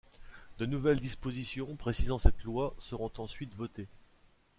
De nouvelles dispositions précisant cette loi seront ensuite votées.